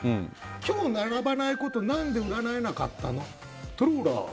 今日、並ばないこと何で占えなかったの？